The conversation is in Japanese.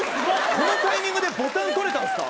このタイミングでボタン取れたんですか？